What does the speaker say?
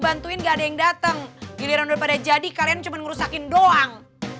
bantuin gak ada yang dateng giliran daripada jadi kalian cuman rusakin doang